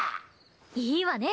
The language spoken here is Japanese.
いいわね。